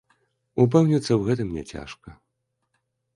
Упэўніцца ў гэтым няцяжка.